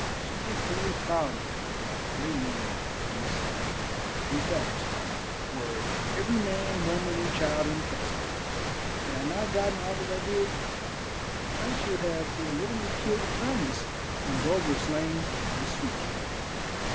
She was very proud of my great name and so, in fact, were every man, woman, and child in the castle. Had I not gotten off as I did, I should have been literally killed with kindness and Bulger slain with sweetcake.